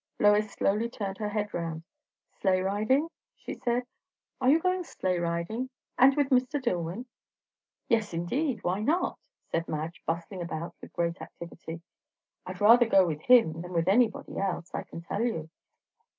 Lois slowly turned her head round. "Sleigh riding?" she said. "Are you going sleigh riding, and with Mr. Dillwyn?" "Yes indeed, why not?" said Madge, bustling about with great activity. "I'd rather go with him than with anybody else, I can tell you.